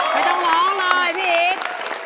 ไม่ต้องร้องเลยพี่อีท